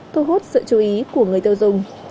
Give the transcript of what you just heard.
thu hút sự chú ý của người tiêu dùng